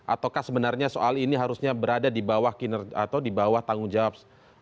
ataukah sebenarnya soal ini harusnya berada di bawah tanggung jawab